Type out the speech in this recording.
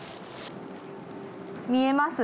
見えます？